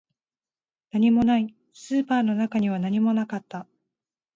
何もない、スーパーの中には何もなかった